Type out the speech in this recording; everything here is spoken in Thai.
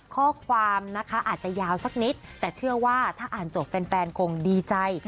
ข้อความนะคะอาจจะยาวสักนิดแต่เชื่อว่าถ้าอ่านจบแฟนคงดีใจ